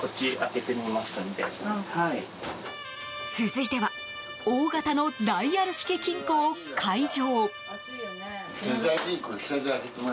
続いては大型のダイヤル式金庫を開錠。